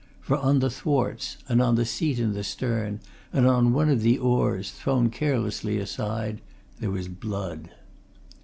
For on the thwarts, and on the seat in the stern, and on one of the oars, thrown carelessly aside, there was blood.